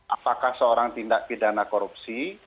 apakah seorang tindak pidana korupsi